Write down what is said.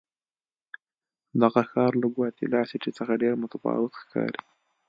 دغه ښار له ګواتیلا سیټي څخه ډېر متفاوت ښکاري.